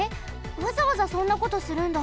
わざわざそんなことするんだ！？